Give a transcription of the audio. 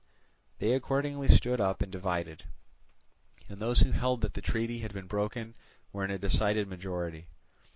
They accordingly stood up and divided; and those who held that the treaty had been broken were in a decided majority.